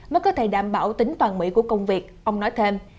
mới có thể đảm bảo tính toàn mỹ của công việc ông nói thêm